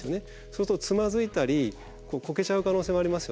そうするとつまずいたりこけちゃう可能性もありますよね。